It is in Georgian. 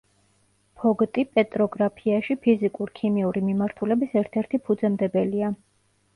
ფოგტი პეტროგრაფიაში ფიზიკურ-ქიმიური მიმართულების ერთ-ერთი ფუძემდებელია.